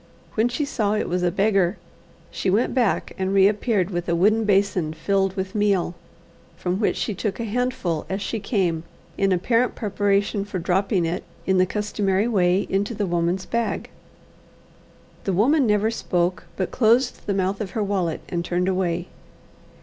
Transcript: When she saw it was a beggar, she went back and reappeared with a wooden basin filled with meal, from which she took a handful as she came in apparent preparation for dropping it, in the customary way, into the woman's bag. The woman never spoke, but closed the mouth of her wallet, and turned away.